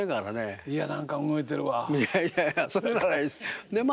いやいやいやそれならいいでま